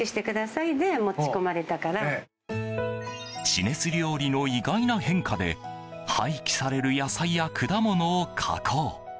地熱料理の意外な変化で廃棄される野菜や果物を加工。